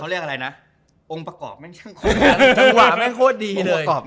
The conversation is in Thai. เค้าเรียกอะไรนะอองปะกอบแม่งช่างความวะแม่งโฆษ์ดีเลย